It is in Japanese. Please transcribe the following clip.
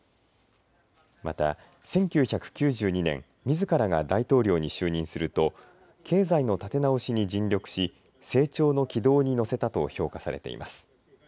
また、１９９２年みずからが大統領に就任すると経済の立て直しに尽力し成長の軌道に乗せたと評価されています。